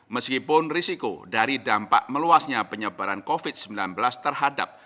meskipun risiko dari dampak meluasnya penyebaran covid sembilan belas terhadap